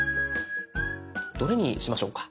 どれにしましょうか？